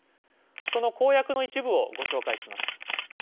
その公約の一部をご紹介します。